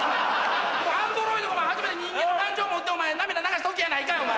アンドロイド初めて人間の感情持って涙流す時やないかお前。